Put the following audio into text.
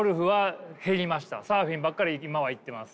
サーフィンばっかり今は行ってます。